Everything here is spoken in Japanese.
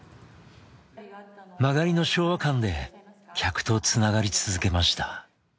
間借りの昭和館で客とつながり続けました。